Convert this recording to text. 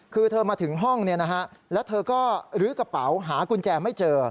คือเธอมาถึงห้องแล้วเธอก็ลื้อกระเป๋าหากุญแจไม่เจอ